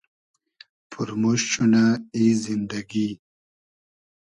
پورموشت شونۂ ای زیندئگی